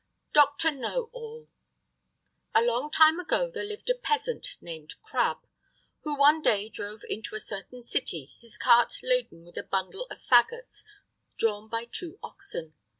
Doctor Know All A long time ago there lived a peasant named "Crabb," who one day drove into a certain city his cart laden with a bundle of faggots, drawn by two oxen.